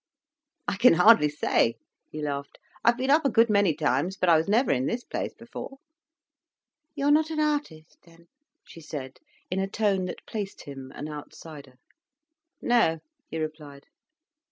"I can hardly say," he laughed. "I've been up a good many times, but I was never in this place before." "You're not an artist, then?" she said, in a tone that placed him an outsider. "No," he replied.